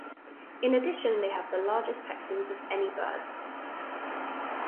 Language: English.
In addition they have the largest pectens of any birds.